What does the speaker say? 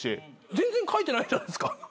全然かいてないじゃないですか。